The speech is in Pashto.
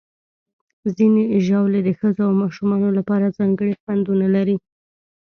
ځینې ژاولې د ښځو او ماشومانو لپاره ځانګړي خوندونه لري.